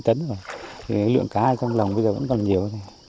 thì lượng cá trong lồng bây giờ vẫn còn nhiều